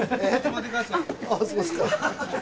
あっそうですか。